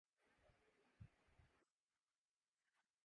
پہلی بات تو یہ ہے کہ عوام کو صرف سیاسی احتساب کا حق حاصل ہے۔